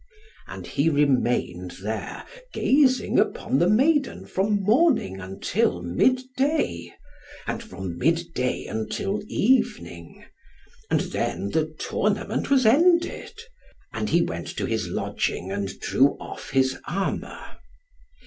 And he remained there, gazing upon the maiden from morning until mid day, and from mid day until evening; and then the tournament was ended; and he went to his lodging, and drew off his armour.